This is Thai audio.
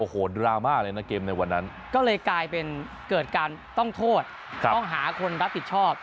โอ้โหดราม่าเลยนะเกมในวันนั้นก็เลยกลายเป็นเกิดการต้องโทษต้องหาคนรับผิดชอบ